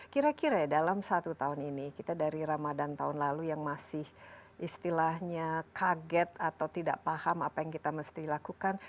kira kira ya dalam satu tahun ini kita dari ramadan tahun lalu yang masih istilahnya kaget atau tidak paham apa yang kita mesti lakukan